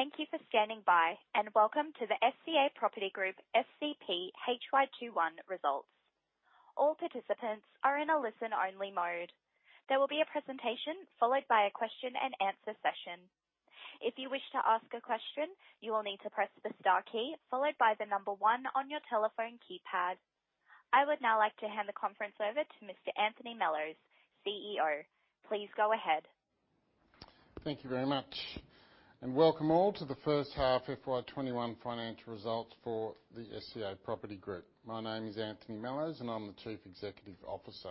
Thank you for standing by, and welcome to the SCA Property Group SCP HY 2021 results. All participants are in a listen-only mode. There will be a presentation followed by a question-and-answer session. If you wish to ask a question, you will need to press the star key followed by the number one on your telephone keypad. I would now like to hand the conference over to Mr. Anthony Mellowes, CEO. Please go ahead. Thank you very much, welcome all to the first half FY 2021 financial results for the SCA Property Group. My name is Anthony Mellowes, and I'm the Chief Executive Officer.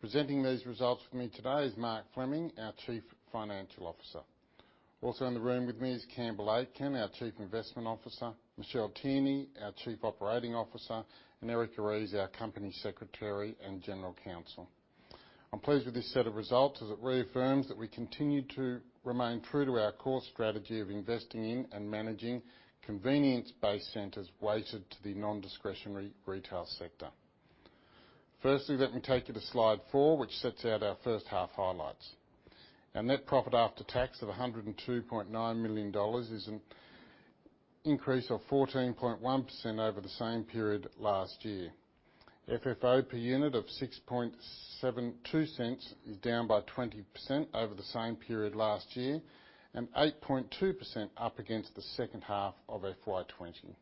Presenting these results for me today is Mark Fleming, our Chief Financial Officer. Also in the room with me is Campbell Aitken, our Chief Investment Officer, Michelle Tierney, our Chief Operating Officer, and Erica Rees, our Company Secretary and General Counsel. I'm pleased with this set of results as it reaffirms that we continue to remain true to our core strategy of investing in and managing convenience-based centers weighted to the non-discretionary retail sector. Firstly, let me take you to slide four, which sets out our first-half highlights. Our net profit after tax of 102.9 million dollars is an increase of 14.1% over the same period last year. FFO per unit of 0.0672 is down by 20% over the same period last year, and 8.2% up against the second half of FY 2020.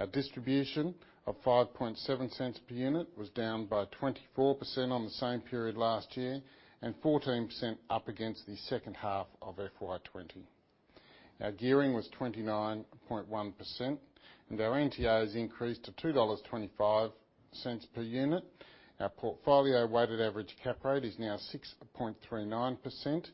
Our distribution of 0.057 per unit was down by 24% on the same period last year, and 14% up against the second half of FY 2020. Our gearing was 29.1%, and our NTAs increased to 2.25 dollars per unit. Our portfolio weighted average cap rate is now 6.39%.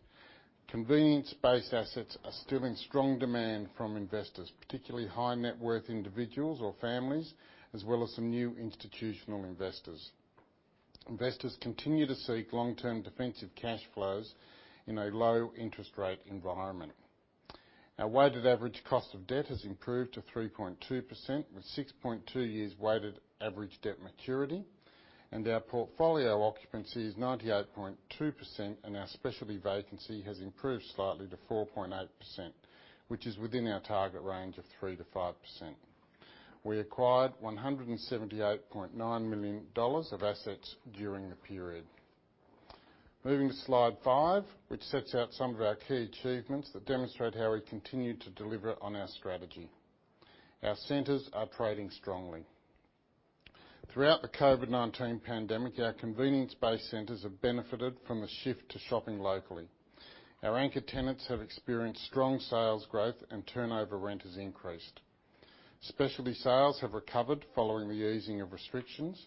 Convenience-based assets are still in strong demand from investors, particularly high-net-worth individuals or families, as well as some new institutional investors. Investors continue to seek long-term defensive cash flows in a low-interest rate environment. Our weighted average cost of debt has improved to 3.2%, with 6.2 years weighted average debt maturity. Our portfolio occupancy is 98.2%, and our specialty vacancy has improved slightly to 4.8%, which is within our target range of 3%-5%. We acquired 178.9 million dollars of assets during the period. Moving to slide five, which sets out some of our key achievements that demonstrate how we continue to deliver on our strategy. Our centers are trading strongly. Throughout the COVID-19 pandemic, our convenience-based centers have benefited from a shift to shopping locally. Our anchor tenants have experienced strong sales growth, and turnover rent has increased. Specialty sales have recovered following the easing of restrictions,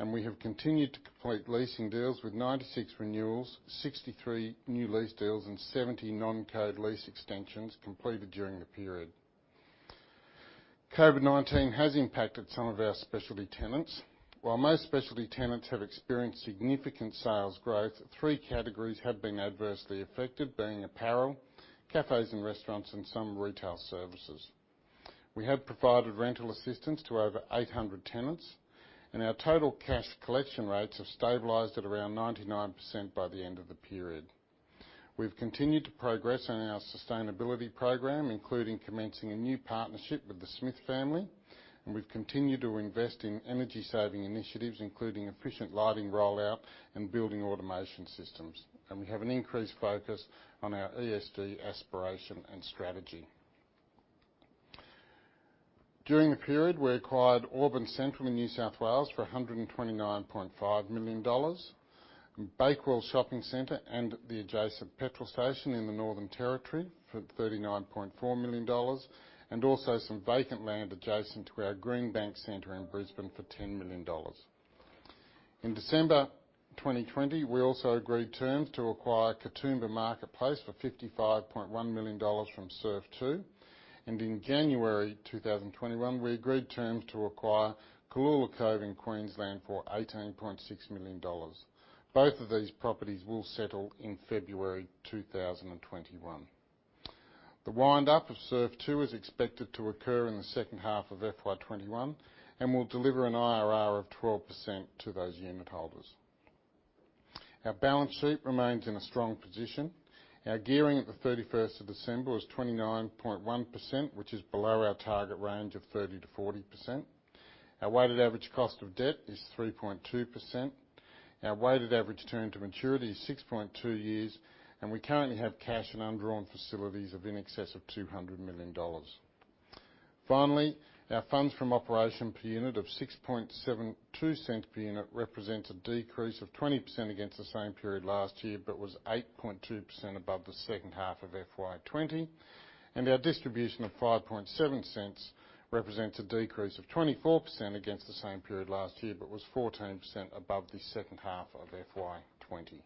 and we have continued to complete leasing deals with 96 renewals, 63 new lease deals, and 70 non-code lease extensions completed during the period. COVID-19 has impacted some of our specialty tenants. While most specialty tenants have experienced significant sales growth, three categories have been adversely affected, being apparel, cafes and restaurants, and some retail services. We have provided rental assistance to over 800 tenants, our total cash collection rates have stabilized at around 99% by the end of the period. We've continued to progress on our sustainability program, including commencing a new partnership with The Smith Family, we've continued to invest in energy-saving initiatives, including efficient lighting rollout and building automation systems. We have an increased focus on our ESD aspiration and strategy. During the period, we acquired Auburn Central in New South Wales for 129.5 million dollars, Bakewell Shopping Center and the adjacent petrol station in the Northern Territory. for 39.4 million dollars, also some vacant land adjacent to our Greenbank center in Brisbane for 10 million dollars. In December 2020, we also agreed terms to acquire Katoomba Marketplace for 55.1 million dollars from SURF 2, in January 2021, we agreed terms to acquire Cooloola Cove in Queensland for 18.6 million dollars. Both of these properties will settle in February 2021. The windup of SURF 2 is expected to occur in the second half of FY 2021 and will deliver an IRR of 12% to those unit holders. Our balance sheet remains in a strong position. Our gearing at the 31st of December was 29.1%, which is below our target range of 30%-40%. Our weighted average cost of debt is 3.2%. Our weighted average term to maturity is 6.2 years, and we currently have cash and undrawn facilities of in excess of 200 million dollars. Finally, our Funds From Operations per unit of 0.0672 per unit represents a decrease of 20% against the same period last year, but was 8.2% above the second half of FY 2020. Our distribution of 0.057 represents a decrease of 24% against the same period last year, but was 14% above the second half of FY 2020.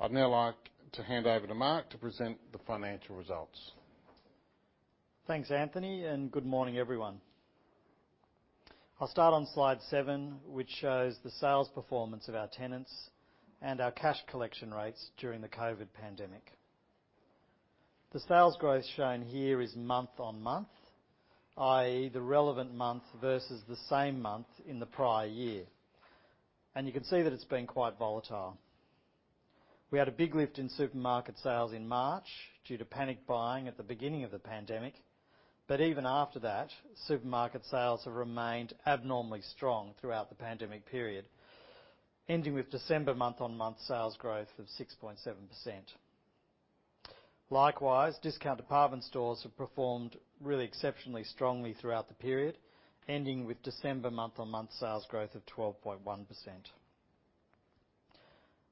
I'd now like to hand over to Mark to present the financial results. Thanks, Anthony. Good morning, everyone. I'll start on slide seven, which shows the sales performance of our tenants and our cash collection rates during the COVID pandemic. The sales growth shown here is month-on-month, i.e., the relevant month versus the same month in the prior year. You can see that it's been quite volatile. We had a big lift in supermarket sales in March due to panic buying at the beginning of the pandemic. Even after that, supermarket sales have remained abnormally strong throughout the pandemic period, ending with December month-on-month sales growth of 6.7%. Likewise, discount department stores have performed really exceptionally strongly throughout the period, ending with December month-on-month sales growth of 12.1%.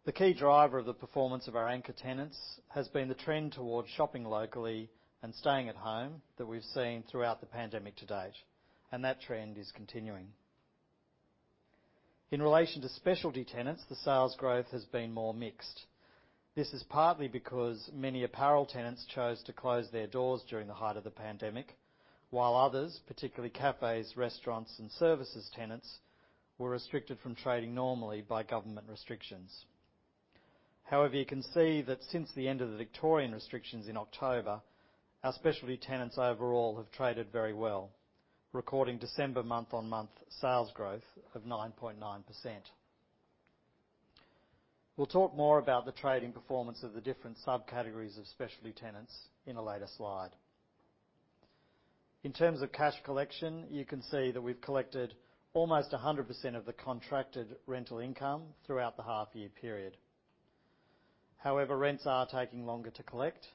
The key driver of the performance of our anchor tenants has been the trend towards shopping locally and staying at home that we've seen throughout the pandemic to date, and that trend is continuing. In relation to specialty tenants, the sales growth has been more mixed. This is partly because many apparel tenants chose to close their doors during the height of the pandemic, while others, particularly cafes, restaurants, and services tenants, were restricted from trading normally by government restrictions. However, you can see that since the end of the Victorian restrictions in October, our specialty tenants overall have traded very well, recording December month-on-month sales growth of 9.9%. We'll talk more about the trading performance of the different subcategories of specialty tenants in a later slide. In terms of cash collection, you can see that we've collected almost 100% of the contracted rental income throughout the half-year period. However, rents are taking longer to collect,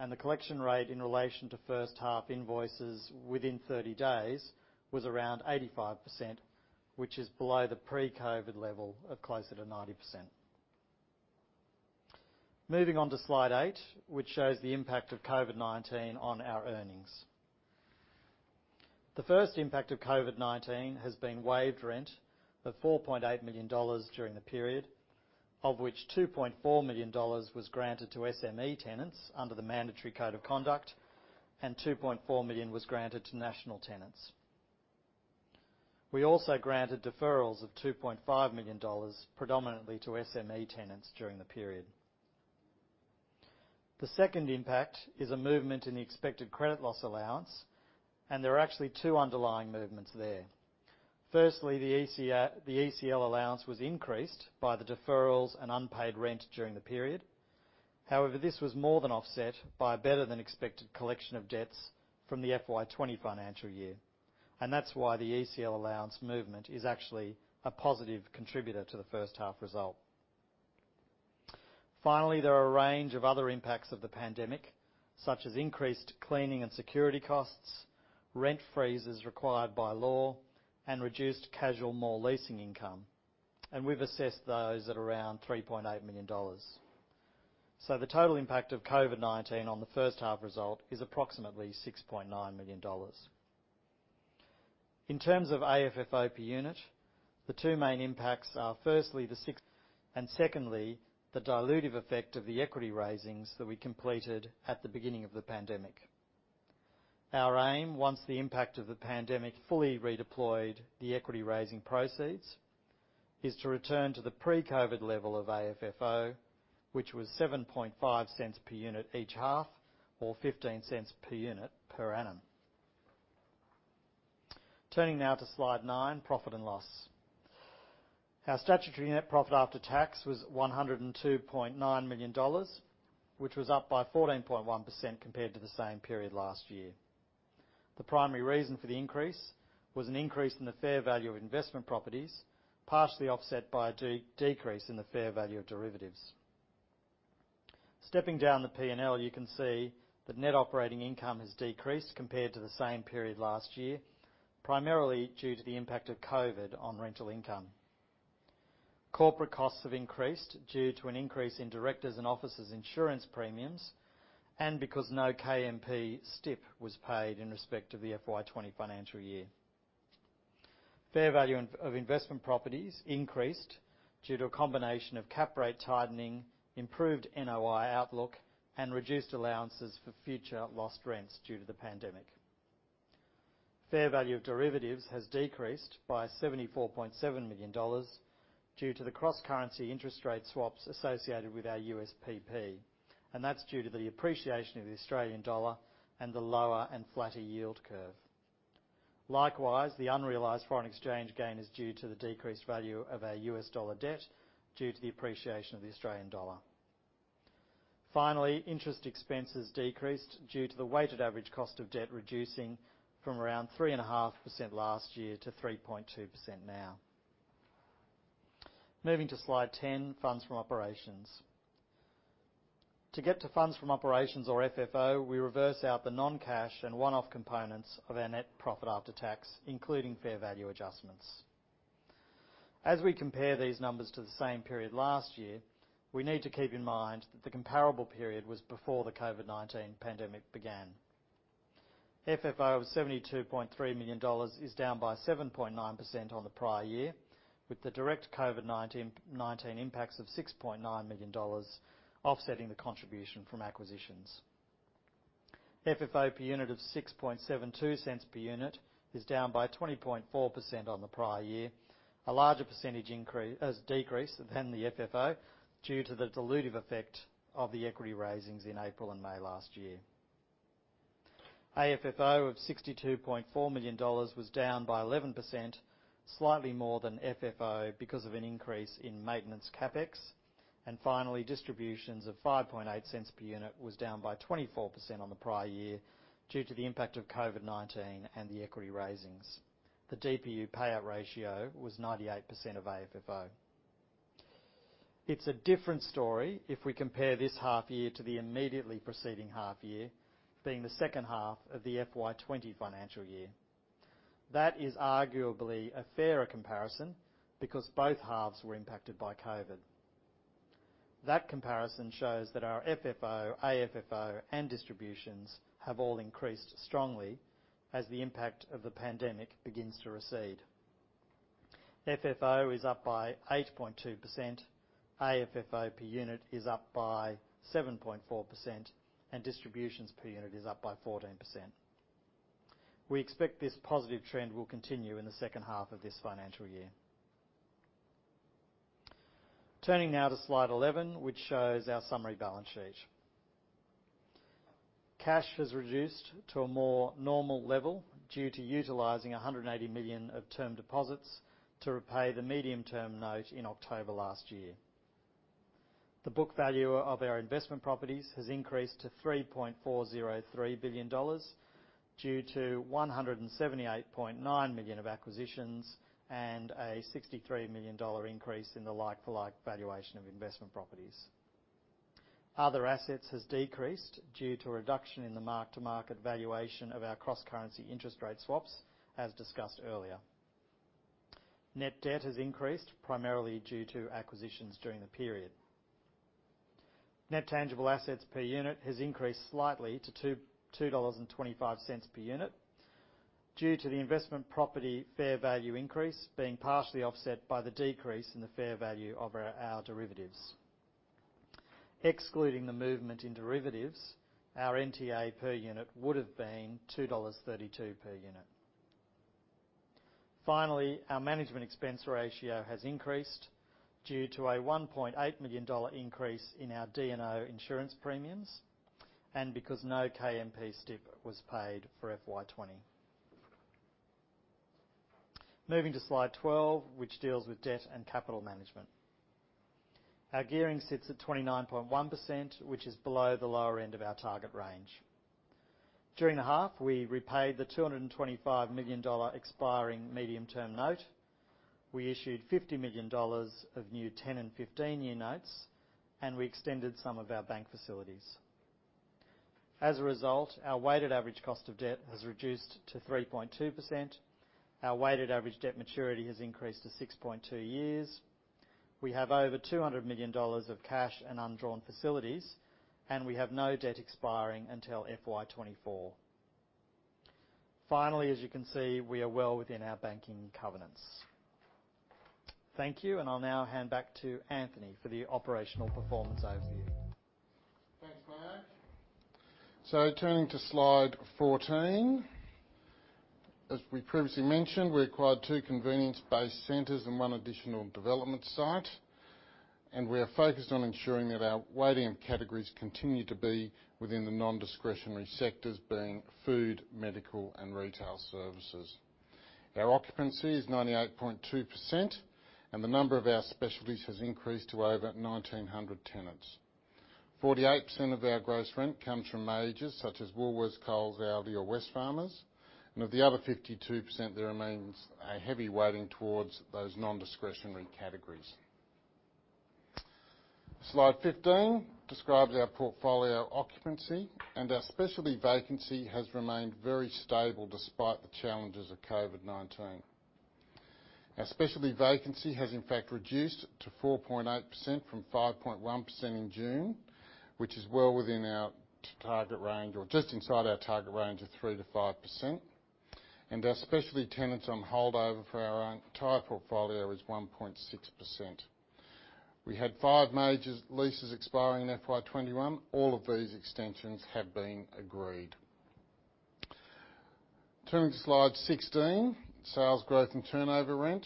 and the collection rate in relation to first-half invoices within 30 days was around 85%, which is below the pre-COVID level of closer to 90%. Moving on to slide eight, which shows the impact of COVID-19 on our earnings. The first impact of COVID-19 has been waived rent of 4.8 million dollars during the period, of which 2.4 million dollars was granted to SME tenants under the mandatory code of conduct, and 2.4 million was granted to national tenants. We also granted deferrals of 2.5 million dollars predominantly to SME tenants during the period. The second impact is a movement in the expected credit loss allowance, and there are actually two underlying movements there. Firstly, the ECL allowance was increased by the deferrals and unpaid rent during the period. This was more than offset by a better-than-expected collection of debts from the FY 2020 financial year, and that's why the ECL allowance movement is actually a positive contributor to the first-half result. There are a range of other impacts of the pandemic, such as increased cleaning and security costs, rent freezes required by law, and reduced casual mall leasing income, and we've assessed those at around 3.8 million dollars. The total impact of COVID-19 on the first-half result is approximately 6.9 million dollars. In terms of AFFO per unit, the two main impacts are firstly, and secondly, the dilutive effect of the equity raisings that we completed at the beginning of the pandemic. Our aim, once the impact of the pandemic fully redeployed the equity raising proceeds, is to return to the pre-COVID level of AFFO, which was 0.075 per unit each half or 0.15 per unit per annum. Turning now to slide nine, profit and loss. Our statutory net profit after tax was 102.9 million dollars, which was up by 14.1% compared to the same period last year. The primary reason for the increase was an increase in the fair value of investment properties, partially offset by a decrease in the fair value of derivatives. Stepping down the P&L, you can see that net operating income has decreased compared to the same period last year, primarily due to the impact of COVID on rental income. Corporate costs have increased due to an increase in directors' and officers' insurance premiums and because no KMP STI was paid in respect of the FY 2020 financial year. Fair value of investment properties increased due to a combination of cap rate tightening, improved NOI outlook, and reduced allowances for future lost rents due to the pandemic. Fair value of derivatives has decreased by AUD 74.7 million due to the cross-currency interest rate swaps associated with our USPP, and that's due to the appreciation of the Australian dollar and the lower and flatter yield curve. Likewise, the unrealized foreign exchange gain is due to the decreased value of our US dollar debt due to the appreciation of the Australian dollar. Finally, interest expenses decreased due to the weighted average cost of debt reducing from around 3.5% last year to 3.2% now. Moving to slide 10, funds from operations. To get to funds from operations or FFO, we reverse out the non-cash and one-off components of our net profit after tax, including fair value adjustments. As we compare these numbers to the same period last year, we need to keep in mind that the comparable period was before the COVID-19 pandemic began. FFO of 72.3 million dollars is down by 7.9% on the prior year, with the direct COVID-19 impacts of 6.9 million dollars offsetting the contribution from acquisitions. FFO per unit of 0.0672 per unit is down by 20.4% on the prior year, a larger percentage decrease than the FFO due to the dilutive effect of the equity raisings in April and May last year. AFFO of AUD 62.4 million was down by 11%, slightly more than FFO because of an increase in maintenance CapEx. Finally, distributions of 0.057 per unit was down by 24% on the prior year due to the impact of COVID-19 and the equity raisings. The DPU payout ratio was 98% of AFFO. It's a different story if we compare this half year to the immediately preceding half year, being the second half of the FY 2020 financial year. That is arguably a fairer comparison because both halves were impacted by COVID. That comparison shows that our FFO, AFFO, and distributions have all increased strongly as the impact of the pandemic begins to recede. FFO is up by 8.2%, AFFO per unit is up by 7.4%, and distributions per unit is up by 14%. We expect this positive trend will continue in the second half of this financial year. Turning now to slide 11, which shows our summary balance sheet. Cash has reduced to a more normal level due to utilizing 180 million of term deposits to repay the medium-term note in October last year. The book value of our investment properties has increased to AUD 3.403 billion due to 178.9 million of acquisitions and an AUD 63 million increase in the like-for-like valuation of investment properties. Other assets has decreased due to a reduction in the market-to-market valuation of our cross-currency interest rate swaps as discussed earlier. Net debt has increased primarily due to acquisitions during the period. Net tangible assets per unit has increased slightly to 2.25 dollars per unit due to the investment property fair value increase being partially offset by the decrease in the fair value of our derivatives. Excluding the movement in derivatives, our NTA per unit would've been 2.32 dollars per unit. Finally, our management expense ratio has increased due to a 1.8 million dollar increase in our D&O insurance premiums and because no KMP STI was paid for FY 2020. Moving to slide 12, which deals with debt and capital management. Our gearing sits at 29.1%, which is below the lower end of our target range. During the half, we repaid the 225 million dollar expiring medium-term note. We issued 50 million dollars of new 10 and 15-year notes, and we extended some of our bank facilities. As a result, our weighted average cost of debt has reduced to 3.2%. Our weighted average debt maturity has increased to 6.2 years. We have over 200 million dollars of cash and undrawn facilities, and we have no debt expiring until FY 2024. Finally, as you can see, we are well within our banking covenants. Thank you, and I'll now hand back to Anthony for the operational performance overview. Thanks, Mark. Turning to slide 14, as we previously mentioned, we acquired two convenience-based centers and one additional development site, and we are focused on ensuring that our weighting categories continue to be within the nondiscretionary sectors, being food, medical, and retail services. Our occupancy is 98.2%, and the number of our specialties has increased to over 1,900 tenants. 48% of our gross rent comes from majors such as Woolworths, Coles, ALDI, or Wesfarmers. Of the other 52%, there remains a heavy weighting towards those nondiscretionary categories. Slide 15 describes our portfolio occupancy, and our specialty vacancy has remained very stable despite the challenges of COVID-19. Our specialty vacancy has in fact reduced to 4.8% from 5.1% in June, which is well within our target range or just inside our target range of 3%-5%. Our specialty tenants on holdover for our entire portfolio is 1.6%. We had five majors leases expiring in FY 2021. All of these extensions have been agreed. Turning to slide 16, sales growth and turnover rent.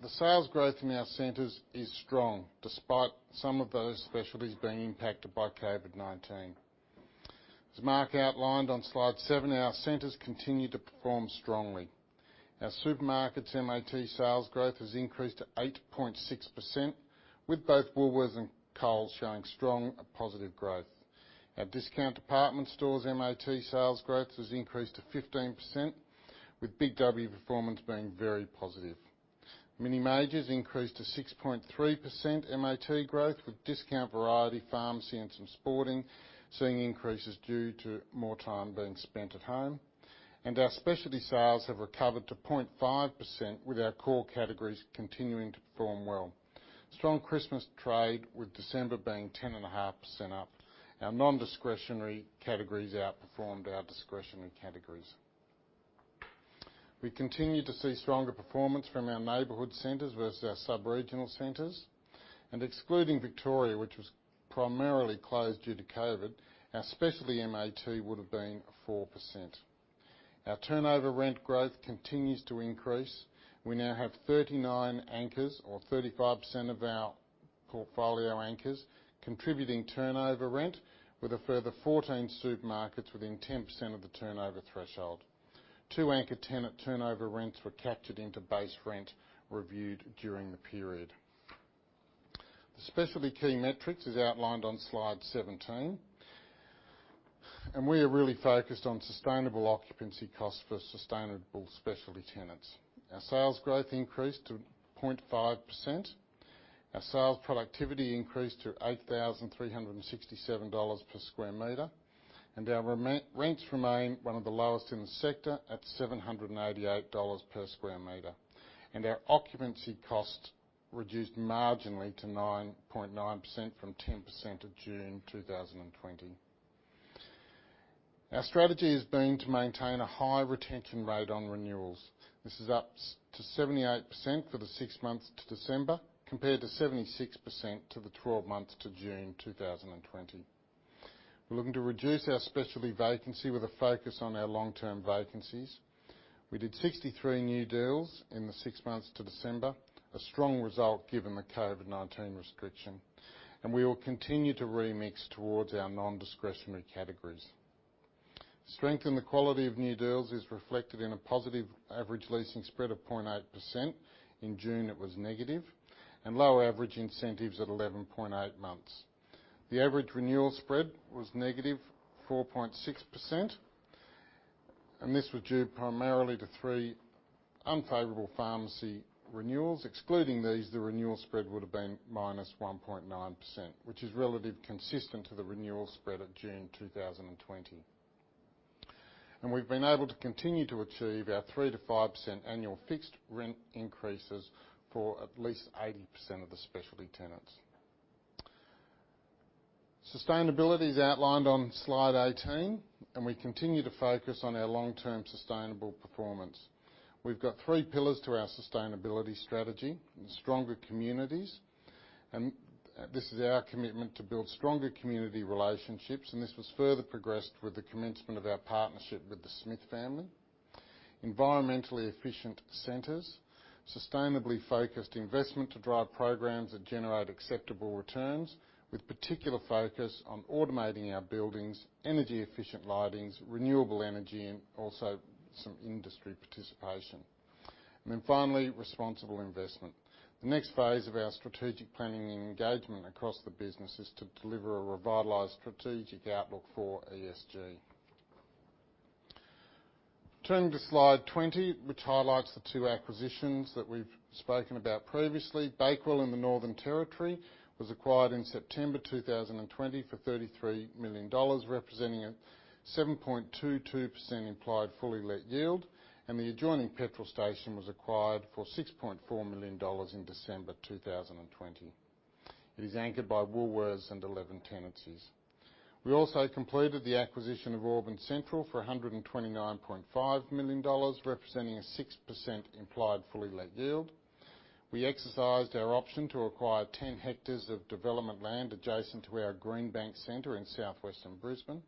The sales growth in our centers is strong despite some of those specialties being impacted by COVID-19. As Mark outlined on slide seven, our centers continue to perform strongly. Our supermarkets MAT sales growth has increased to 8.6%, with both Woolworths and Coles showing strong positive growth. Our discount department stores' MAT sales growth has increased to 15%, with BIG W performance being very positive. Mini majors increased to 6.3% MAT growth, with discount variety pharmacy and some sporting seeing increases due to more time being spent at home. Our specialty sales have recovered to 0.5% with our core categories continuing to perform well. Strong Christmas trade, with December being 10.5% up. Our nondiscretionary categories outperformed our discretionary categories. We continue to see stronger performance from our neighborhood centers versus our subregional centers. Excluding Victoria, which was primarily closed due to COVID, our specialty MAT would've been 4%. Our turnover rent growth continues to increase. We now have 39 anchors, or 35% of our portfolio anchors, contributing turnover rent with a further 14 supermarkets within 10% of the turnover threshold. Two anchor tenant turnover rents were captured into base rent reviewed during the period. The specialty key metrics is outlined on slide 17. We are really focused on sustainable occupancy costs for sustainable specialty tenants. Our sales growth increased to 0.5%. Our sales productivity increased to AUD 8,367 per square meter, and our rents remain one of the lowest in the sector at AUD 788 per square meter. Our occupancy cost reduced marginally to 9.9% from 10% at June 2020. Our strategy has been to maintain a high retention rate on renewals. This is up to 78% for the six months to December, compared to 76% to the 12 months to June 2020. We're looking to reduce our specialty vacancy with a focus on our long-term vacancies. We did 63 new deals in the six months to December, a strong result given the COVID-19 restriction. We will continue to remix towards our non-discretionary categories. Strength in the quality of new deals is reflected in a positive average leasing spread of 0.8%. In June, it was negative. Low average incentives at 11.8 months. The average renewal spread was -4.6%, and this was due primarily to three unfavorable pharmacy renewals. Excluding these, the renewal spread would have been -1.9%, which is relatively consistent to the renewal spread of June 2020. We've been able to continue to achieve our 3%-5% annual fixed rent increases for at least 80% of the specialty tenants. Sustainability is outlined on slide 18, and we continue to focus on our long-term sustainable performance. We've got three pillars to our sustainability strategy and stronger communities, and this is our commitment to build stronger community relationships, and this was further progressed with the commencement of our partnership with The Smith Family. Environmentally efficient centers, sustainably focused investment to drive programs that generate acceptable returns with particular focus on automating our buildings, energy-efficient lightings, renewable energy, and also some industry participation. Finally, responsible investment. The next phase of our strategic planning and engagement across the business is to deliver a revitalized strategic outlook for ESG. Turning to slide 20, which highlights the two acquisitions that we've spoken about previously. Bakewell in the Northern Territory was acquired in September 2020 for 33 million dollars, representing a 7.22% implied fully let yield, and the adjoining petrol station was acquired for 6.4 million dollars in December 2020. It is anchored by Woolworths and 11 tenancies. We also completed the acquisition of Auburn Central for 129.5 million dollars, representing a 6% implied fully let yield. We exercised our option to acquire 10 hectares of development land adjacent to our Greenbank center in Southwestern Brisbane.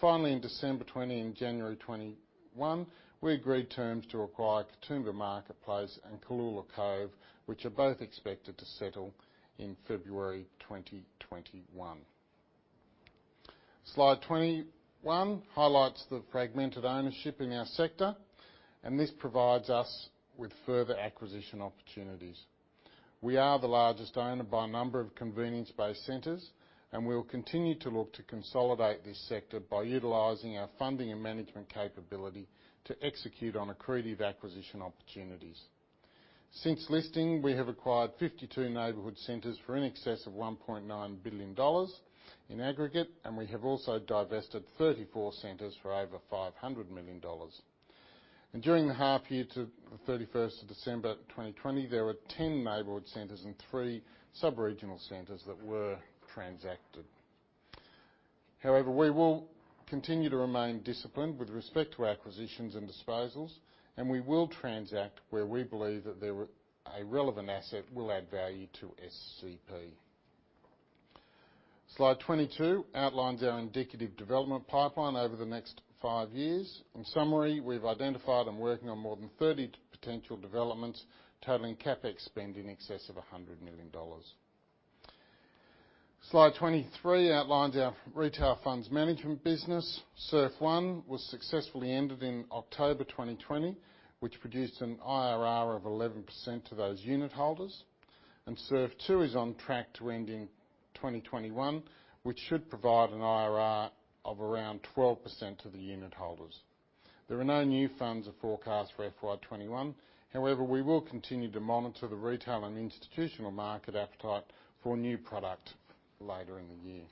Finally, in December 2020, and January 2021, we agreed terms to acquire Katoomba Marketplace and Cooloola Cove, which are both expected to settle in February 2021. Slide 21 highlights the fragmented ownership in our sector, and this provides us with further acquisition opportunities. We are the largest owner by number of convenience-based centers. We will continue to look to consolidate this sector by utilizing our funding and management capability to execute on accretive acquisition opportunities. Since listing, we have acquired 52 neighborhood centers for in excess of 1.9 billion dollars in aggregate, and we have also divested 34 centers for over 500 million dollars. During the half year to the 31st of December 2020, there were 10 neighborhood centers and three sub-regional centers that were transacted. However, we will continue to remain disciplined with respect to acquisitions and disposals, and we will transact where we believe that a relevant asset will add value to SCP. Slide 22 outlines our indicative development pipeline over the next five years. In summary, we've identified and working on more than 30 potential developments totaling CapEx spend in excess of 100 million dollars. Slide 23 outlines our retail funds management business. SURF 1 was successfully ended in October 2020, which produced an IRR of 11% to those unitholders. SURF 2 is on track to end in 2021, which should provide an IRR of around 12% to the unitholders. There are no new funds forecast for FY 2021. However, we will continue to monitor the retail and institutional market appetite for a new product later in the year.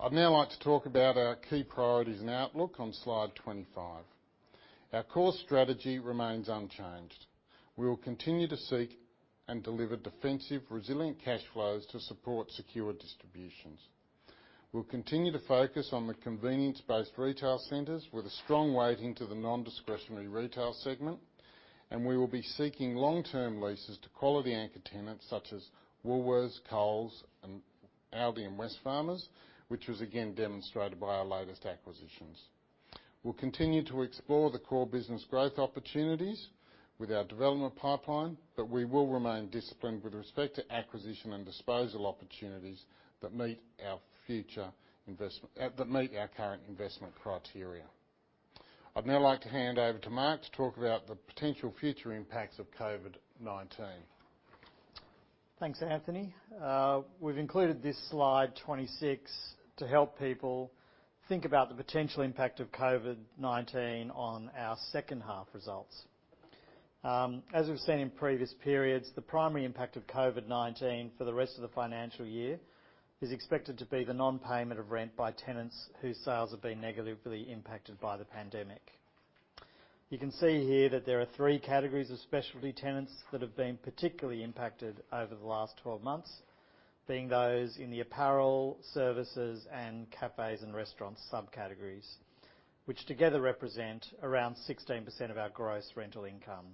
I'd now like to talk about our key priorities and outlook on slide 25. Our core strategy remains unchanged. We will continue to seek and deliver defensive, resilient cash flows to support secure distributions. We'll continue to focus on the convenience-based retail centers with a strong weighting to the non-discretionary retail segment, and we will be seeking long-term leases to quality anchor tenants such as Woolworths, Coles, and ALDI, and Wesfarmers, which was again demonstrated by our latest acquisitions. We'll continue to explore the core business growth opportunities with our development pipeline, but we will remain disciplined with respect to acquisition and disposal opportunities that meet our current investment criteria. I'd now like to hand over to Mark to talk about the potential future impacts of COVID-19. Thanks, Anthony. We've included this slide 26 to help people think about the potential impact of COVID-19 on our second half results. As we've seen in previous periods, the primary impact of COVID-19 for the rest of the financial year is expected to be the non-payment of rent by tenants whose sales have been negatively impacted by the pandemic. You can see here that there are three categories of specialty tenants that have been particularly impacted over the last 12 months, being those in the apparel, services, and cafes and restaurants subcategories, which together represent around 16% of our gross rental income.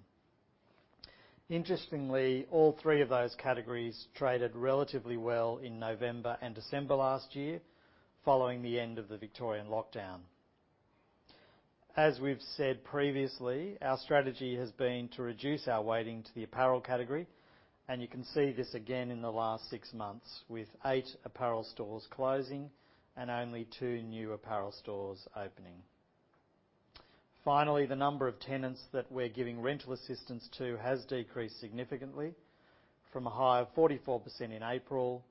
Interestingly, all three of those categories traded relatively well in November and December last year, following the end of the Victorian lockdown. As we've said previously, our strategy has been to reduce our weighting to the apparel category, and you can see this again in the last six months with eight apparel stores closing and only two new apparel stores opening. Finally, the number of tenants that we're giving rental assistance to has decreased significantly from a high of 44% in April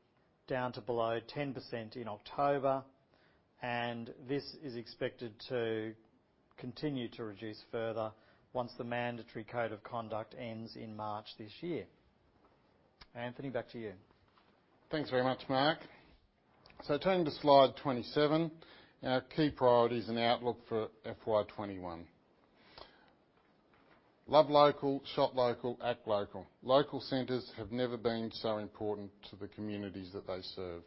down to below 10% in October, and this is expected to continue to reduce further once the mandatory code of conduct ends in March this year. Anthony, back to you. Thanks very much, Mark. Turning to slide 27, our key priorities and outlook for FY 2021. Love local, shop local, act local. Local centers have never been so important to the communities that they serve.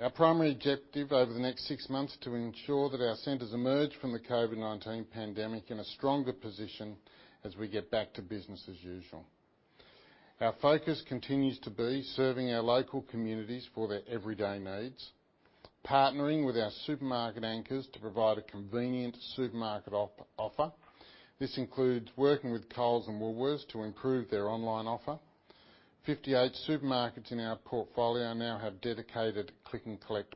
Our primary objective over the next six months is to ensure that our centers emerge from the COVID-19 pandemic in a stronger position as we get back to business as usual. Our focus continues to be serving our local communities for their everyday needs, partnering with our supermarket anchors to provide a convenient supermarket offer. This includes working with Coles and Woolworths to improve their online offer. 58 supermarkets in our portfolio now have dedicated click and collect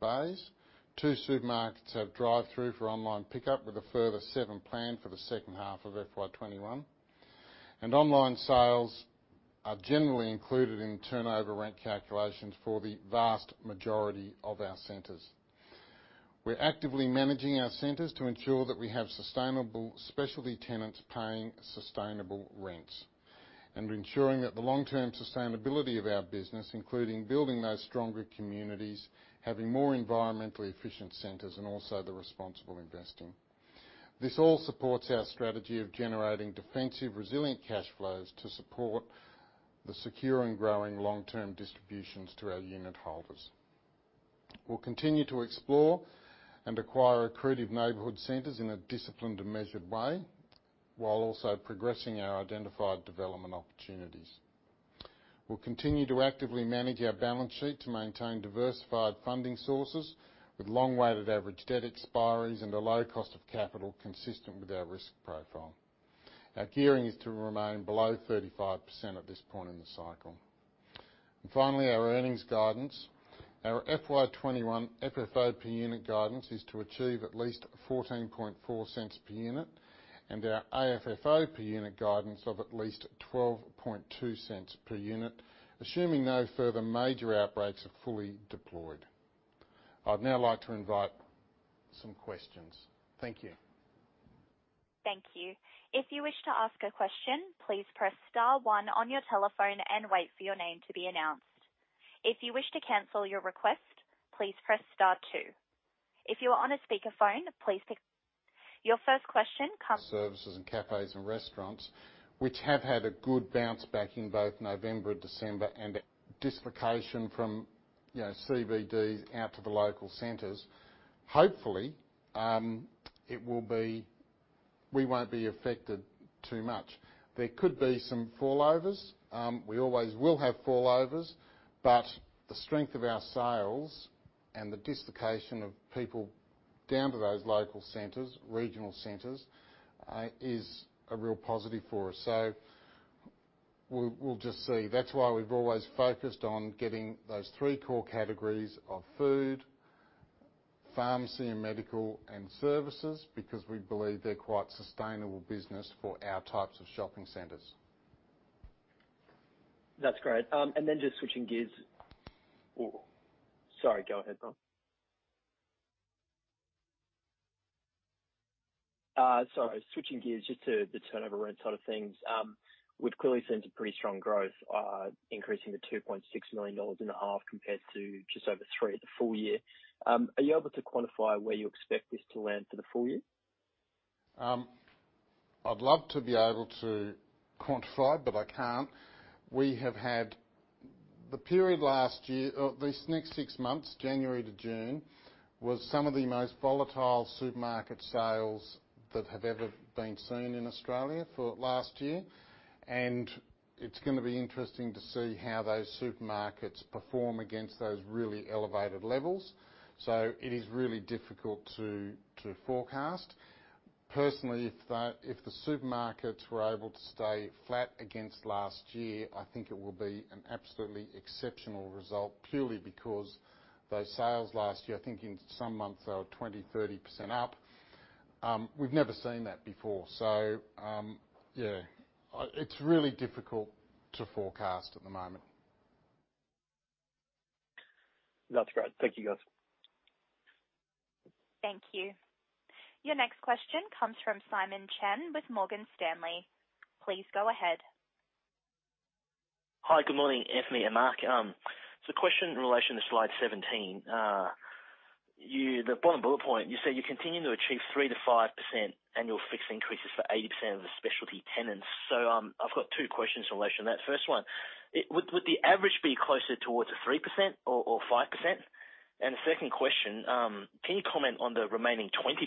bays. Two supermarkets have drive-through for online pickup, with a further seven planned for the second half of FY 2021. Online sales are generally included in turnover rent calculations for the vast majority of our centers. We're actively managing our centers to ensure that we have sustainable specialty tenants paying sustainable rents, and ensuring that the long-term sustainability of our business, including building those stronger communities, having more environmentally efficient centers, and also the responsible investing. This all supports our strategy of generating defensive, resilient cash flows to support the secure and growing long-term distributions to our unit holders. We'll continue to explore and acquire accretive neighborhood centers in a disciplined and measured way, while also progressing our identified development opportunities. We'll continue to actively manage our balance sheet to maintain diversified funding sources with long weighted average debt expiries and a low cost of capital consistent with our risk profile. Our gearing is to remain below 35% at this point in the cycle. Finally, our earnings guidance. Our FY 2021 FFO per unit guidance is to achieve at least 0.144 per unit and our AFFO per unit guidance of at least 0.122 per unit, assuming no further major outbreaks are fully deployed. I'd now like to invite some questions. Thank you. Thank you. If you wish to ask a question, please press star one on your telephone and wait for your name to be announced. If you wish to cancel your request, please press star two. If you are on a speakerphone, please pick- Services and cafes and restaurants, which have had a good bounce back in both November, December, and dislocation from CBD out to the local centers. Hopefully, we won't be affected too much. There could be some fallovers. We always will have fallovers, but the strength of our sales and the dislocation of people down to those local centers, regional centers, is a real positive for us. We'll just see. That's why we've always focused on getting those 3 core categories of food, pharmacy and medical, and services, because we believe they're quite sustainable business for our types of shopping centers. That's great. Switching gears just to the turnover rent side of things. We've clearly seen some pretty strong growth, increasing to 2.6 million dollars in a half compared to just over 3 million at the full year. Are you able to quantify where you expect this to land for the full year? I'd love to be able to quantify, but I can't. We have had the period last year, or these next six months, January to June, was some of the most volatile supermarket sales that have ever been seen in Australia for last year. It's going to be interesting to see how those supermarkets perform against those really elevated levels. It is really difficult to forecast. Personally, if the supermarkets were able to stay flat against last year, I think it will be an absolutely exceptional result, purely because those sales last year, I think in some months they were 20%, 30% up. We've never seen that before. Yeah. It's really difficult to forecast at the moment. That's great. Thank you, guys. Thank you. Your next question comes from Simon Chan with Morgan Stanley. Please go ahead. Hi, good morning, Anthony and Mark. Question in relation to slide 17. The bottom bullet point, you say you're continuing to achieve 3%-5% annual fixed increases for 80% of the specialty tenants. I've got two questions in relation to that. First one, would the average be closer towards a 3% or 5%? The second question, can you comment on the remaining 20%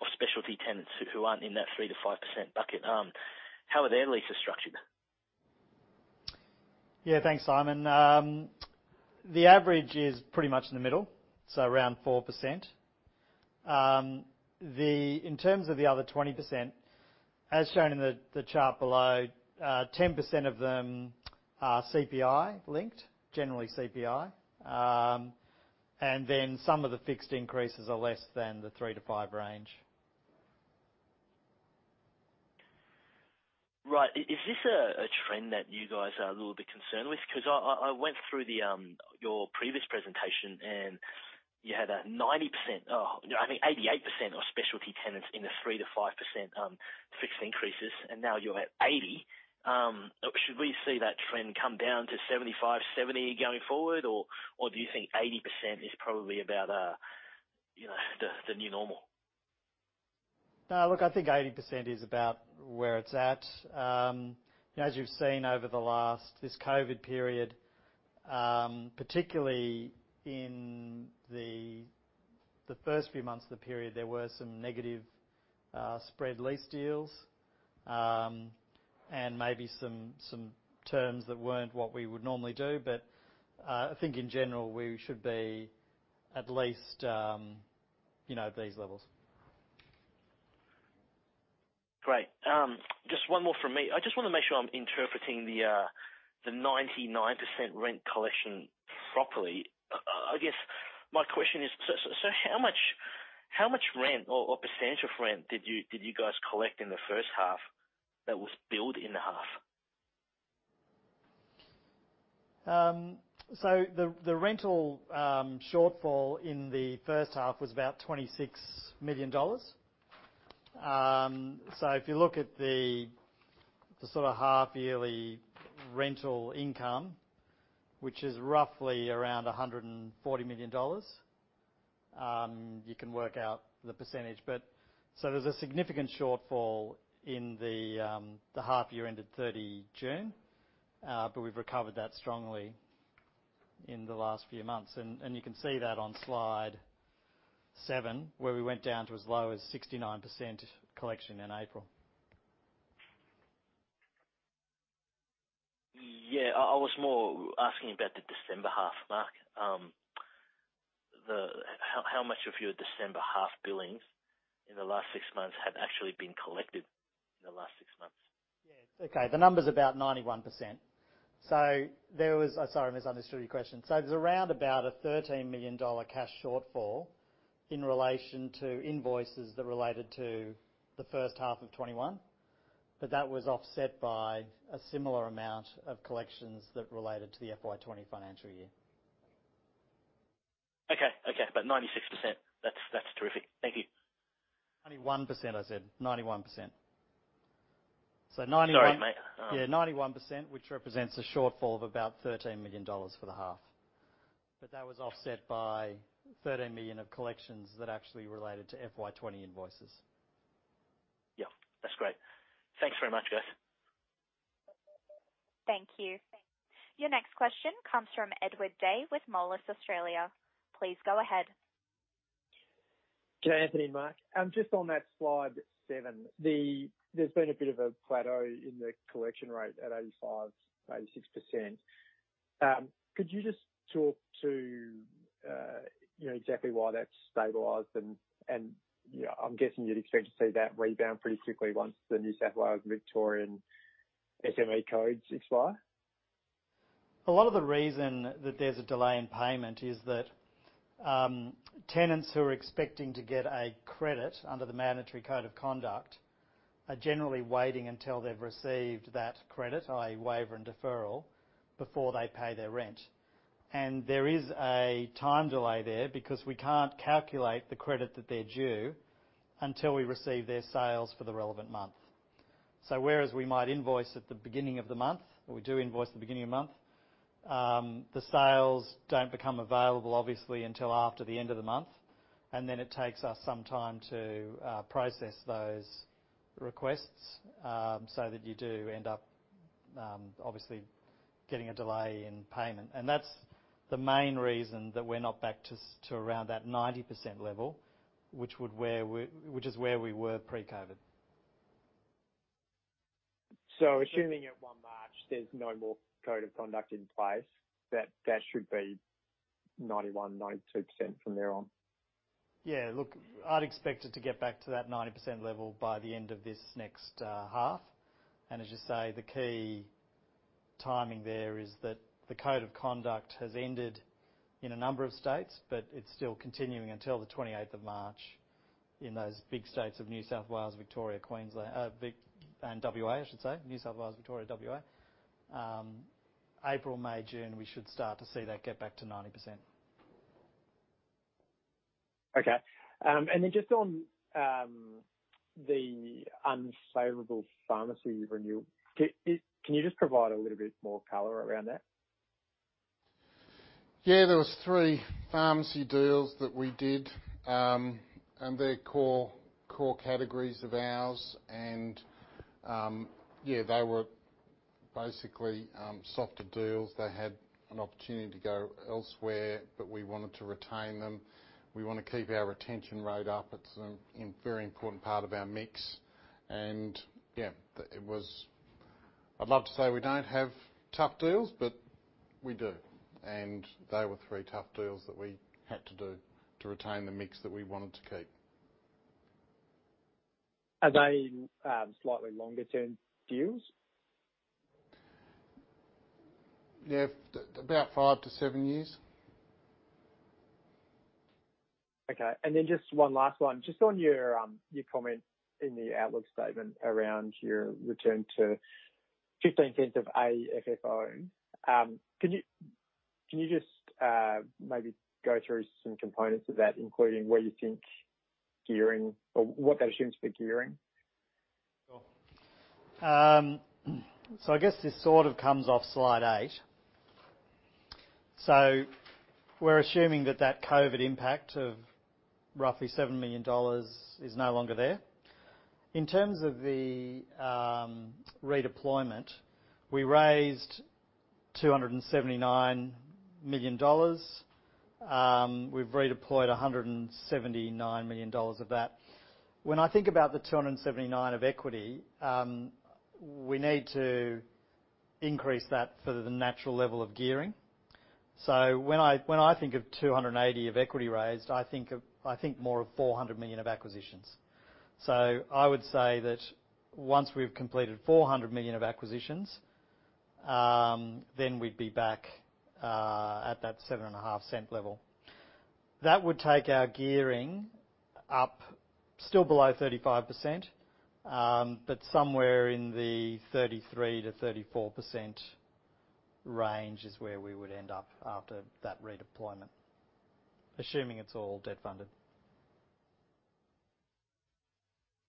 of specialty tenants who aren't in that 3%-5% bucket? How are their leases structured? Yeah, thanks, Simon. The average is pretty much in the middle, so around 4%. In terms of the other 20%, as shown in the chart below, 10% of them are CPI linked, generally CPI. Some of the fixed increases are less than the 3%-5% range. Right. Is this a trend that you guys are a little bit concerned with? I went through your previous presentation, and you had a 90%, or no, I think 88% of specialty tenants in the 3%-5% fixed increases, and now you're at 80%. Should we see that trend come down to 75%, 70% going forward, or do you think 80% is probably about the new normal? No, look, I think 80% is about where it's at. As you've seen over this COVID period, particularly in the first few months of the period, there were some negative spread lease deals, and maybe some terms that weren't what we would normally do. I think in general, we should be at least these levels. Great. Just one more from me. I just want to make sure I'm interpreting the 99% rent collection properly. I guess my question is, how much rent or percentage of rent did you guys collect in the first half that was billed in the half? The rental shortfall in the first half was about 26 million dollars. If you look at the sort of half-yearly rental income, which is roughly around 140 million dollars, you can work out the percentage. There's a significant shortfall in the half year ended 30 June, but we've recovered that strongly in the last few months, and you can see that on slide seven, where we went down to as low as 69% collection in April. Yeah, I was more asking about the December half, Mark. How much of your December half billings in the last six months have actually been collected in the last six months? Yeah. Okay. The number's about 91%. Sorry, I misunderstood your question. It was around about an 13 million dollar cash shortfall in relation to invoices that related to the first half of 2021, but that was offset by a similar amount of collections that related to the FY 2020 financial year. Okay. About 96%. That's terrific. Thank you. 91%, I said. 91%. Sorry, mate. yeah, 91%, which represents a shortfall of about 13 million dollars for the half. That was offset by 13 million of collections that actually related to FY 2020 invoices. Yeah. That's great. Thanks very much, guys. Thank you. Your next question comes from Edward Day with Moelis Australia. Please go ahead. G'day, Anthony and Mark. Just on that slide seven, there's been a bit of a plateau in the collection rate at 85%, 86%. Could you just talk to exactly why that's stabilized, and I'm guessing you'd expect to see that rebound pretty quickly once the New South Wales Victorian SME codes expire? A lot of the reason that there's a delay in payment is that tenants who are expecting to get a credit under the mandatory code of conduct are generally waiting until they've received that credit, i.e. waiver and deferral, before they pay their rent. There is a time delay there because we can't calculate the credit that they're due until we receive their sales for the relevant month. Whereas we might invoice at the beginning of the month, or we do invoice at the beginning of the month, the sales don't become available, obviously, until after the end of the month, then it takes us some time to process those requests, that you do end up, obviously, getting a delay in payment. That's the main reason that we're not back to around that 90% level, which is where we were pre-COVID. Assuming at one March there's no more code of conduct in place, that should be 91%, 92% from there on. Yeah. Look, I'd expect it to get back to that 90% level by the end of this next half. As you say, the key timing there is that the Code of Conduct has ended in a number of states, but it's still continuing until the 28th of March in those big states of New South Wales, Victoria, Queensland, and W.A., I should say. New South Wales, Victoria, W.A. April, May, June, we should start to see that get back to 90%. Okay. Just on the unfovorable pharmacy renewal, can you just provide a little bit more color around that? There was three pharmacy deals that we did, and they're core categories of ours and they were basically softer deals. They had an opportunity to go elsewhere, but we wanted to retain them. We want to keep our retention rate up. It's a very important part of our mix. And I'd love to say we don't have tough deals, but we do. And they were three tough deals that we had to do to retain the mix that we wanted to keep. Are they slightly longer-term deals? Yeah, about five to seven years. Just one last one. Just on your comment in the outlook statement around your return to 0.15 of AFFO. Can you just maybe go through some components of that, including where you think gearing or what that assumes for gearing? Sure. I guess this sort of comes off slide eight. We're assuming that that COVID impact of roughly 7 million dollars is no longer there. In terms of the redeployment, we raised AUD 279 million. We've redeployed AUD 179 million of that. When I think about the 279 of equity, we need to increase that for the natural level of gearing. When I think of 280 of equity raised, I think more of 400 million of acquisitions. I would say that once we've completed 400 million of acquisitions, then we'd be back at that 0.075 level. That would take our gearing up, still below 35%, but somewhere in the 33%-34% range is where we would end up after that redeployment, assuming it's all debt-funded.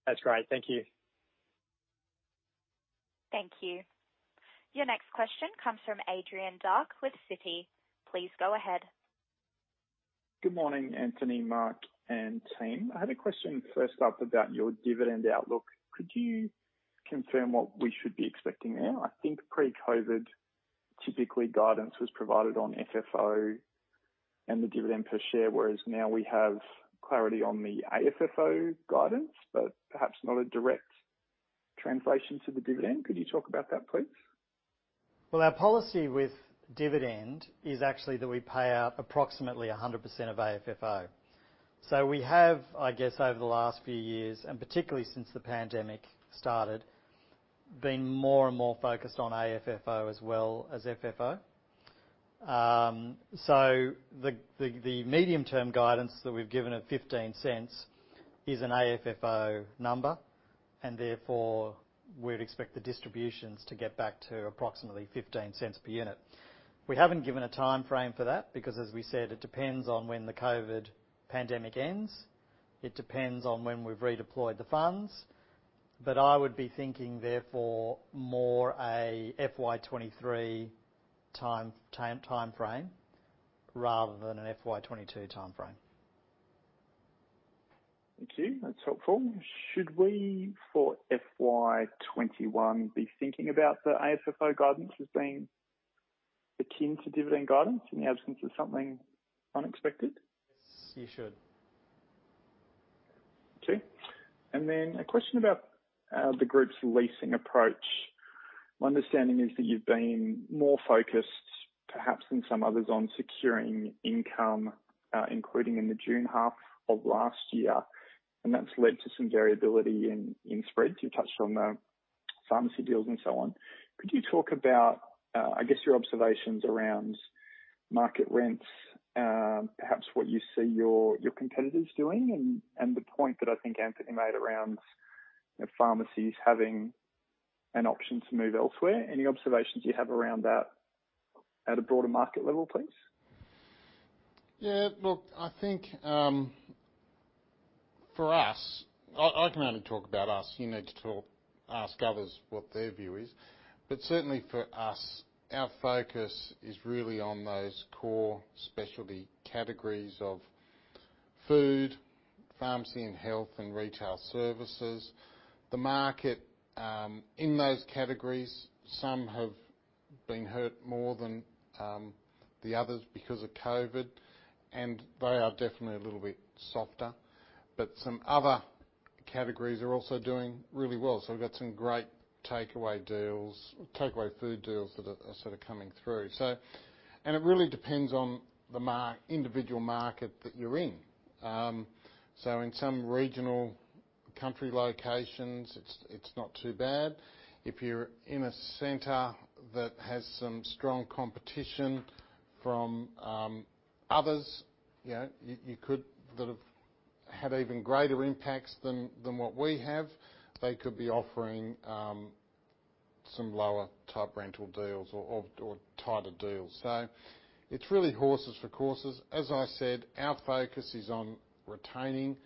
That's great. Thank you. Thank you. Your next question comes from Adrian Dark with Citi. Please go ahead. Good morning, Anthony, Mark, and team. I had a question first up about your dividend outlook. Could you confirm what we should be expecting there? I think pre-COVID, typically guidance was provided on FFO and the dividend per share, whereas now we have clarity on the AFFO guidance, but perhaps not a direct translation to the dividend. Could you talk about that, please? Well, our policy with dividend is actually that we pay out approximately 100% of AFFO. We have, I guess, over the last few years, and particularly since the pandemic started, been more and more focused on AFFO as well as FFO. The medium-term guidance that we've given of 0.15 is an AFFO number, and therefore we'd expect the distributions to get back to approximately 0.15 per unit. We haven't given a timeframe for that because, as we said, it depends on when the COVID pandemic ends. It depends on when we've redeployed the funds. I would be thinking, therefore, more a FY 2023 timeframe rather than an FY 2022 timeframe. Thank you. That's helpful. Should we, for FY 2021, be thinking about the AFFO guidance as being akin to dividend guidance in the absence of something unexpected? You should. Okay. A question about the group's leasing approach. My understanding is that you've been more focused, perhaps than some others, on securing income, including in the June half of last year, and that's led to some variability in spreads. You touched on the pharmacy deals and so on. Could you talk about, I guess, your observations around market rents, perhaps what you see your competitors doing and the point that I think Anthony made around pharmacies having an option to move elsewhere? Any observations you have around that at a broader market level, please? Look, I can only talk about us. You need to ask others what their view is. Certainly for us, our focus is really on those core specialty categories of food, pharmacy and health, and retail services. The market in those categories, some have been hurt more than the others because of COVID, they are definitely a little bit softer. Some other categories are also doing really well. We've got some great takeaway food deals that are coming through. It really depends on the individual market that you're in. In some regional country locations, it's not too bad. If you're in a center that has some strong competition from others, you could sort of have even greater impacts than what we have. They could be offering some lower type rental deals or tighter deals. It's really horses for courses. As I said, our focus is on retaining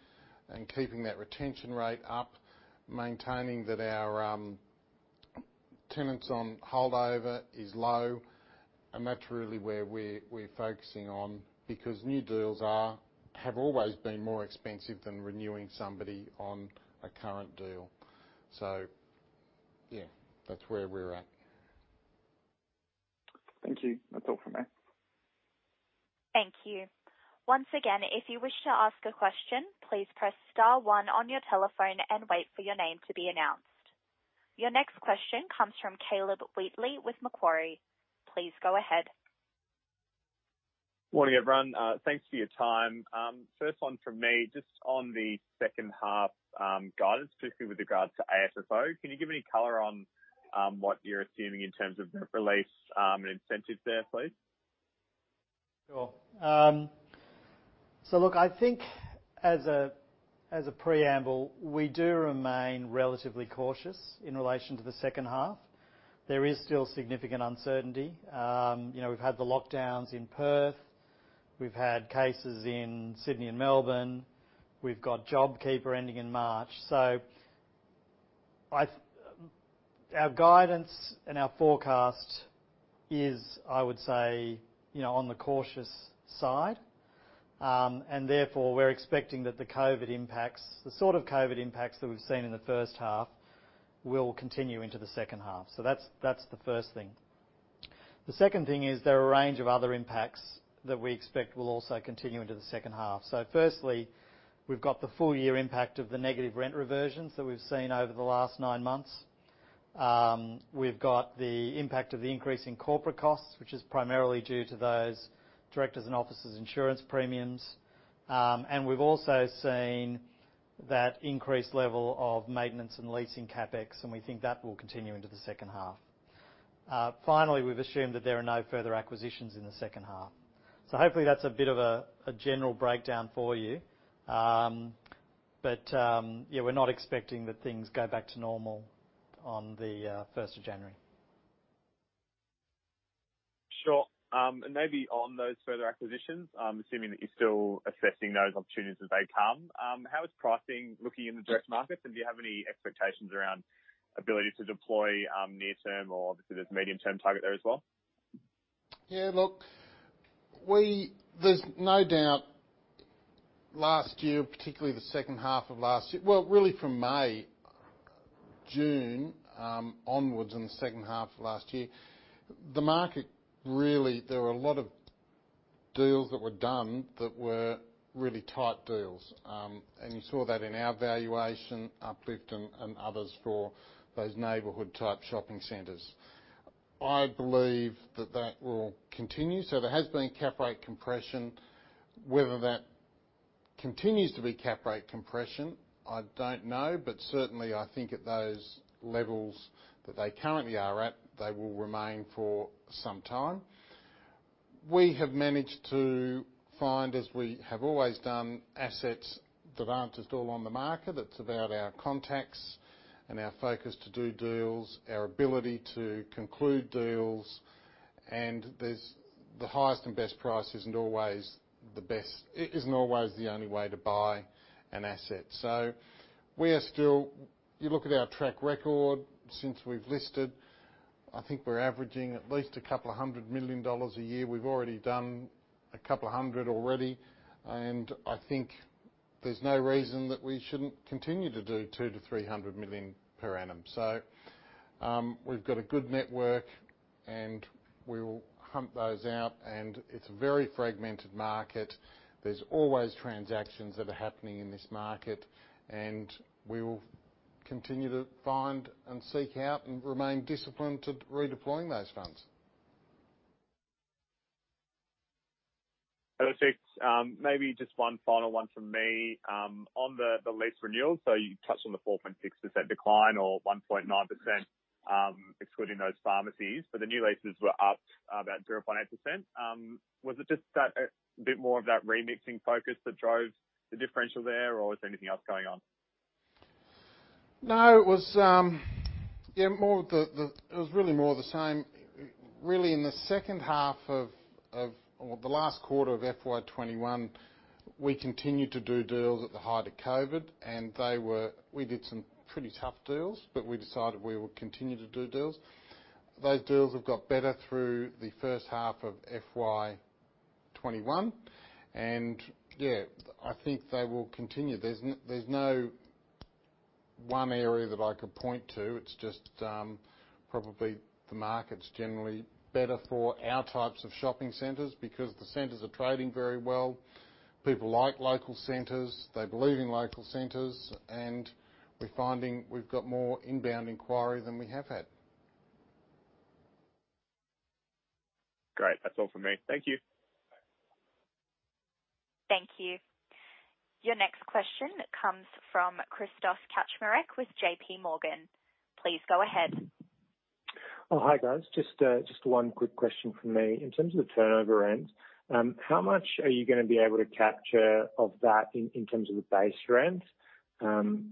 and keeping that retention rate up, maintaining that our tenants on holdover is low, and that's really where we're focusing on because new deals have always been more expensive than renewing somebody on a current deal. Yeah, that's where we're at. Thank you. That's all from me. Thank you. Once again, if you wish to ask a question, please press star one on your telephone and wait for your name to be announced. Your next question comes from Caleb Wheatley with Macquarie. Please go ahead. Morning, everyone. Thanks for your time. First one from me, just on the second half guidance, specifically with regards to AFFO. Can you give any color on what you're assuming in terms of the release and incentives there, please? Look, I think as a preamble, we do remain relatively cautious in relation to the second half. There is still significant uncertainty. We've had the lockdowns in Perth. We've had cases in Sydney and Melbourne. We've got JobKeeper ending in March. Our guidance and our forecast is, I would say, on the cautious side. Therefore, we're expecting that the COVID impacts, the sort of COVID impacts that we've seen in the first half, will continue into the second half. That's the first thing. The second thing is there are a range of other impacts that we expect will also continue into the second half. Firstly, we've got the full-year impact of the negative rent reversions that we've seen over the last nine months. We've got the impact of the increase in corporate costs, which is primarily due to those directors' and officers' insurance premiums. We've also seen that increased level of maintenance and leasing CapEx, and we think that will continue into the second half. Finally, we've assumed that there are no further acquisitions in the second half. Hopefully that's a bit of a general breakdown for you. Yeah, we're not expecting that things go back to normal on the 1st of January. Sure. Maybe on those further acquisitions, I'm assuming that you're still assessing those opportunities as they come. How is pricing looking in the direct markets? Do you have any expectations around ability to deploy near term or obviously there's a medium-term target there as well? Yeah, look, there's no doubt last year, particularly the second half of last year, well, really from May, June onwards in the second half of last year, the market really, there were a lot of deals that were done that were really tight deals. You saw that in our valuation uplift and others for those neighborhood-type shopping centers. I believe that that will continue. There has been cap rate compression. Whether that continues to be cap rate compression, I don't know. Certainly I think at those levels that they currently are at, they will remain for some time. We have managed to find, as we have always done, assets that aren't sold on the market. It's about our contacts and our focus to do deals, our ability to conclude deals. The highest and best price isn't always the only way to buy an asset. You look at our track record since we've listed, I think we're averaging at least a couple of 100 million dollars a year. We've already done a couple of 100 already, and I think there's no reason that we shouldn't continue to do 200 million-300 million per annum. We've got a good network, and we'll hunt those out. It's a very fragmented market. There's always transactions that are happening in this market, and we will continue to find and seek out and remain disciplined to redeploying those funds. Look, thanks. Maybe just one final one from me. On the lease renewals, so you touched on the 4.6% decline or 1.9% excluding those pharmacies. The new leases were up about 0.8%. Was it just a bit more of that remixing focus that drove the differential there, or was there anything else going on? No, it was really more the same. Really in the second half of, or the last quarter of FY 2021, we continued to do deals at the height of COVID, and we did some pretty tough deals. We decided we would continue to do deals. Those deals have got better through the first half of FY 2021. Yeah, I think they will continue. There's no one area that I could point to, it's just probably the market's generally better for our types of shopping centers because the centers are trading very well. People like local centers, they believe in local centers, and we're finding we've got more inbound inquiry than we have had. Great. That's all from me. Thank you. Thank you. Your next question comes from Krzysztof Kaczmarek with JPMorgan. Please go ahead. Hi, guys. Just one quick question from me. In terms of the turnover rent, how much are you going to be able to capture of that in terms of the base rent,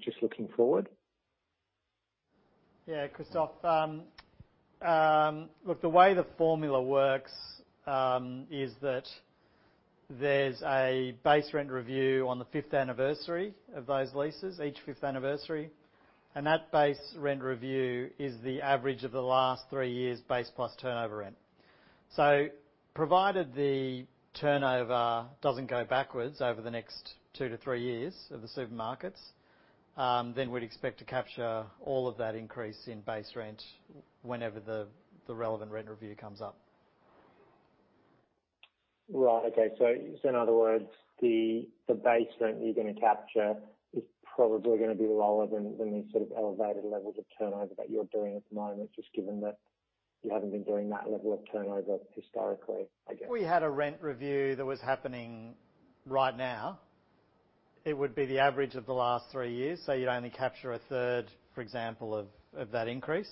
just looking forward? Yeah, Krzysztof. Look, the way the formula works is that there's a base rent review on the fifth anniversary of those leases, each fifth anniversary, and that base rent review is the average of the last three years' base plus turnover rent. Provided the turnover doesn't go backwards over the next two to three years of the supermarkets, then we'd expect to capture all of that increase in base rent whenever the relevant rent review comes up. Right. Okay. In other words, the base rent you're going to capture is probably going to be lower than these sort of elevated levels of turnover that you're doing at the moment, just given that you haven't been doing that level of turnover historically, I guess. If we had a rent review that was happening right now, it would be the average of the last three years, so you'd only capture a third, for example, of that increase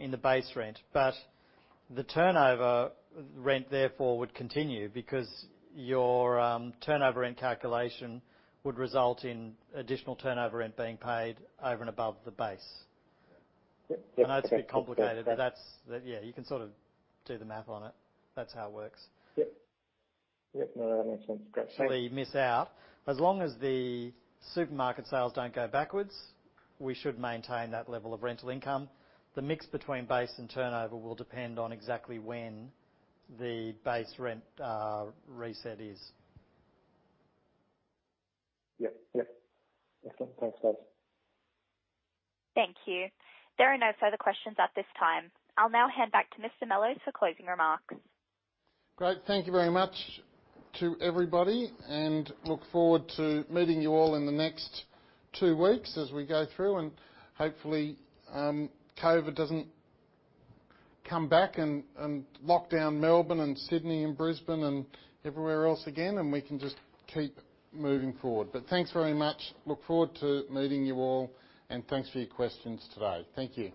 in the base rent. The turnover rent therefore would continue because your turnover rent calculation would result in additional turnover rent being paid over and above the base. Yep. I know it's a bit complicated, but you can sort of do the math on it. That's how it works. Yep. No, that makes sense. Great. Thank you. You miss out. As long as the supermarket sales don't go backwards, we should maintain that level of rental income. The mix between base and turnover will depend on exactly when the base rent reset is. Yep. Excellent. Thanks, guys. Thank you. There are no further questions at this time. I'll now hand back to Mr. Mellowes for closing remarks. Great. Thank you very much to everybody, and look forward to meeting you all in the next two weeks as we go through, and hopefully, COVID doesn't come back and lock down Melbourne and Sydney and Brisbane and everywhere else again, and we can just keep moving forward. Thanks very much. Look forward to meeting you all, and thanks for your questions today. Thank you.